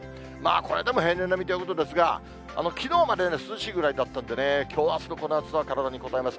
これでも平年並みということですが、きのうまで涼しいぐらいだったんでね、きょう、あすのこの暑さは体にこたえます。